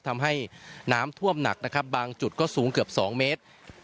ทำให้น้ำท่วมหนักนะครับบางจุดก็สูงเกือบ๒เมตร